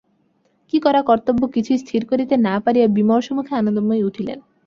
কী করা কর্তব্য কিছুই স্থির করিতে না পারিয়া বিমর্ষমুখে আনন্দময়ী উঠিলেন।